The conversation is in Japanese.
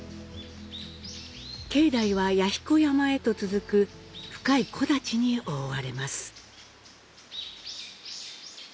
境内は弥彦山へと続く深い木立に覆われます。